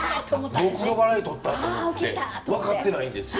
僕が笑いとったと思って分かってないんですよ。